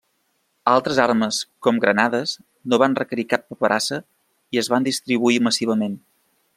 Altres armes, com granades no van requerir cap paperassa i es van distribuir massivament.